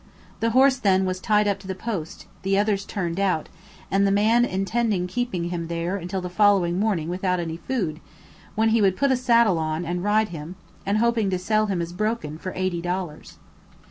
The horse then was tied up to the post, the others turned out, and the man intended keeping him there until the following morning without any food, when he would put a saddle on, and ride him, and hoping to sell him as broken for eighty dollars.